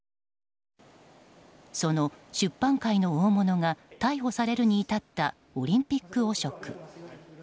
その出版界の大物が逮捕されるに至ったオリンピック汚職。